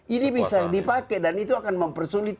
ini bisa dipakai dan itu akan mempersulit